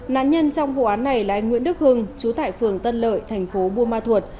nạn nhân trong vụ án này là anh nguyễn đức hưng chú tại phường tân lợi thành phố buôn ma thuột